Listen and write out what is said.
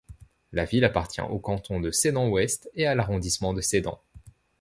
La ville appartient au canton de Sedan-Ouest et à l'arrondissement de Sedan.